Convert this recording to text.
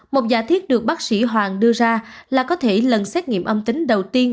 một giả thiết được bác sĩ hoàng đưa ra là có thể lần xét nghiệm âm tính đầu tiên